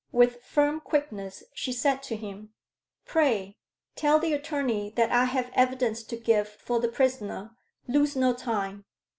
With firm quickness she said to him "Pray tell the attorney that I have evidence to give for the prisoner lose no time."